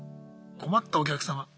困ったお客様。